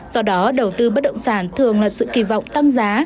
do đó đầu tư bất động sản thường là sự kỳ vọng tăng giá